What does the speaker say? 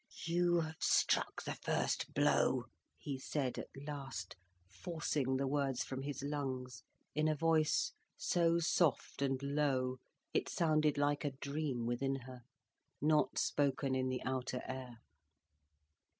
"You have struck the first blow," he said at last, forcing the words from his lungs, in a voice so soft and low, it sounded like a dream within her, not spoken in the outer air.